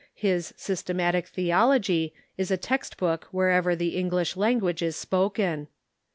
His " Systematic Theology" is a text book wherever the English language is spoken.